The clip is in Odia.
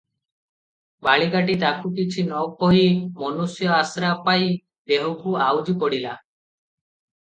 ବାଳିକାଟି ତାଙ୍କୁ କିଛି ନକହି ମନୁଷ୍ୟ ଆଶ୍ରା ପାଇ ଦେହକୁ ଆଉଜି ପଡ଼ିଲା ।